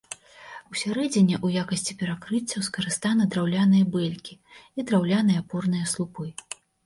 Усярэдзіне ў якасці перакрыццяў скарыстаны драўляныя бэлькі і драўляныя апорныя слупы.